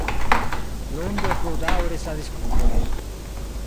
Lunde pludaŭris la diskutoj.